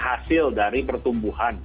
hasil dari pertumbuhan